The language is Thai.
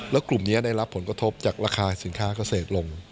แล้วกลุ่มนี้ได้รับผลกระทบจากราคาสินค้าเกษตรลง